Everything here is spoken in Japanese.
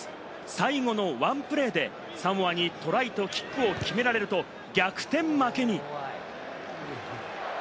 最後のワンプレーでサモアにトライとキックを決められると逆転負けに。